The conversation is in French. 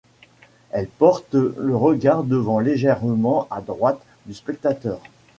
Elle porte le regard devant légèrement à droite du spectateur.